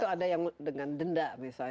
ada yang dengan denda